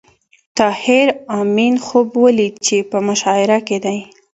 طاهر آمین خوب ولید چې په مشاعره کې دی